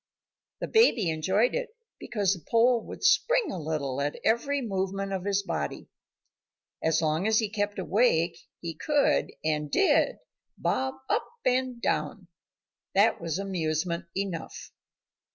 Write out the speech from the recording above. The baby enjoyed it because the pole would spring a little at every movement of his body. As long as he kept awake, he could, and did, bob up and down. That was amusement enough.